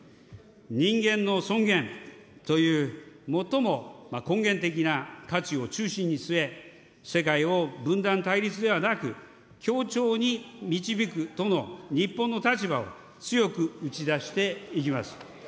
人間の尊厳という最も根源的な価値を中心に据え、世界を分断・対立ではなく、協調に導くとの日本の立場を強く打ち出していきます。